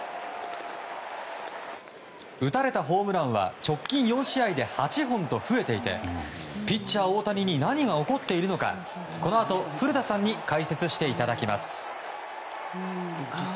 打たれたホームランは直近４試合で８本と増えていてピッチャー大谷に何が起こっているのかこのあと古田さんに解説していただきます。